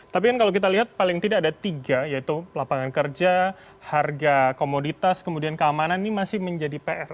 tapi kan kalau kita lihat paling tidak ada tiga yaitu lapangan kerja harga komoditas kemudian keamanan ini masih menjadi pr